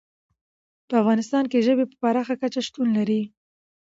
په افغانستان کې ژبې په پراخه کچه شتون لري.